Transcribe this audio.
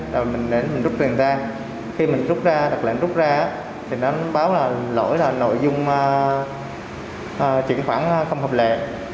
rồi mình rút tiền ra khi mình rút ra đặc lệnh rút ra thì nó báo là lỗi là nội dung chuyển khoản không hợp lệ